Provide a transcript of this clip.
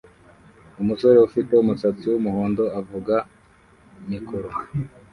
Umusore ufite umusatsi wumuhondo avuga mikoro